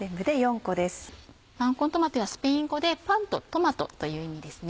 パンコントマテはスペイン語でパンとトマトという意味ですね。